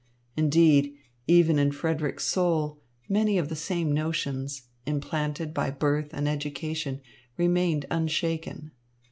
Indeed, even in Frederick's soul, many of the same notions, implanted by birth and education, remained unshaken.